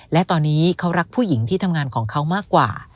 และตอนนี้เขารักผู้หญิงที่ทำงานของเขามากกว่า